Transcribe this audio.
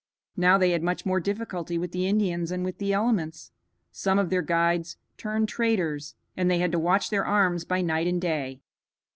Now they had much more difficulty with the Indians and with the elements. Some of their guides turned traitors, and they had to watch their arms by night and day.